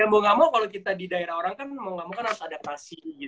ya mau gak mau kalau kita di daerah orang kan mau gak mau kan harus adaptasi